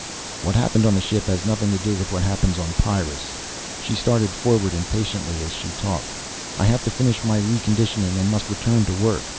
"What happened on the ship has nothing to do with what happens on Pyrrus." She started forward impatiently as she talked. "I have finished my reconditioning and must return to work.